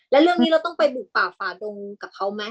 แล้วเรื่องนี้เราต้องไปบุกป่าฝ่าดงกับเขาไหม